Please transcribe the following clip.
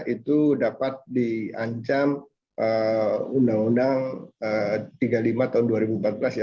itu dapat diancam undang undang tiga puluh lima tahun dua ribu empat belas ya